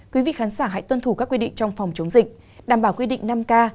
quý vị khán giả hãy tuân thủ các quy định trong phòng chống dịch đảm bảo quy định năm k